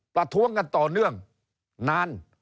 ประท้วงกันต่อเนื่องนาน